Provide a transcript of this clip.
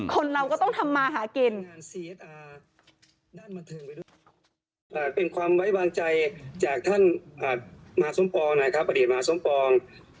คนเราก็ต้องทำมาหากิน